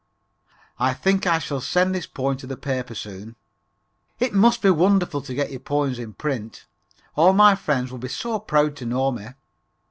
I think I shall send this poem to the paper soon. It must be wonderful to get your poems in print. All my friends would be so proud to know me.